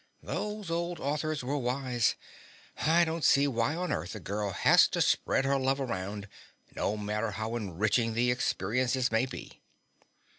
Those old authors were wise. I don't see why on earth a girl has to spread her love around, no matter how enriching the experiences may be."